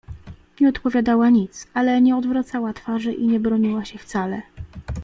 "Nie odpowiadała nic, ale nie odwracała twarzy i nie broniła się wcale."